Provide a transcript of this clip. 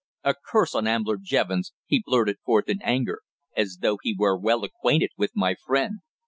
"A curse on Ambler Jevons!" he blurted forth in anger, as though he were well acquainted with my friend.